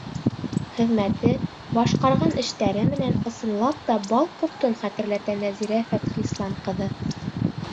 Хеҙмәте, башҡарған эштәре менән, ысынлап та, бал ҡортон хәтерләтә Нәзирә Фәтхлислам ҡыҙы.